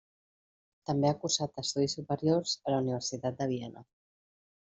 També ha cursat estudis superiors a la Universitat de Viena.